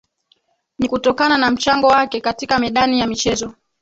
Ni kutokana na mchango wake katika medani ya michezo